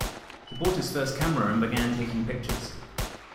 He bought his first camera and began taking pictures.